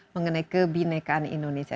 mengenai kebinekaan indonesia